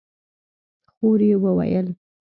خور يې وويل: